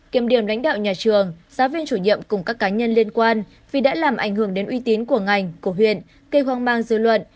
kiểm điểm lãnh đạo nhà trường giáo viên chủ nhiệm cùng các cá nhân liên quan vì đã làm ảnh hưởng đến uy tín của ngành của huyện gây hoang mang dư luận